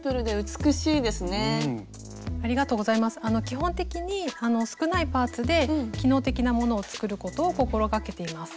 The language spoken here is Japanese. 基本的に少ないパーツで機能的なものを作ることを心がけています。